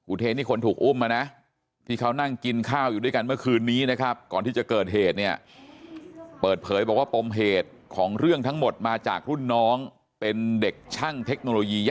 เทนี่คนถูกอุ้มมานะที่เขานั่งกินข้าวอยู่ด้วยกันเมื่อคืนนี้นะครับก่อนที่จะเกิดเหตุเนี่ยเปิดเผยบอกว่าปมเหตุของเรื่องทั้งหมดมาจากรุ่นน้องเป็นเด็กช่างเทคโนโลยี